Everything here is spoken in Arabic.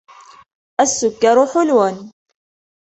السكر حلو.